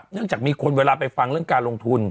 เนื่องจากมีคนเวลาไปฟังเรื่องการลงทุน